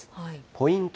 ポイント